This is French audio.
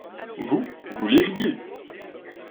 Vous, vous liriez.